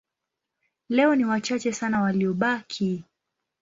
Leo ni wachache sana waliobaki.